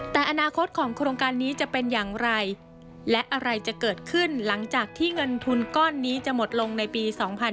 แต่อนาคตของโครงการนี้จะเป็นอย่างไรและอะไรจะเกิดขึ้นหลังจากที่เงินทุนก้อนนี้จะหมดลงในปี๒๕๕๙